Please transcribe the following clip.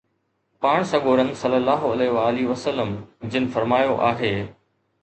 پاڻ سڳورن صلي الله عليھ و آلھ وسلم جن فرمايو آهي